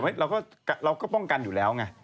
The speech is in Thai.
เราก็ป้องกันอยู่แล้วไง